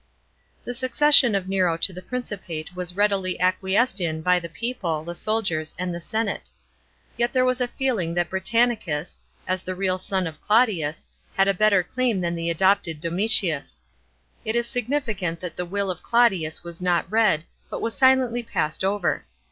§ 2. The succession of Nero to the Principate was readily acquiesced in by the people, the soldiers, and the senate. Yet there was a feeling that Britannicus, as the real son of Claudius, had a better claim than the adopted Donrtius. It is significant that the will of Claudius was not read, but was silently passed over.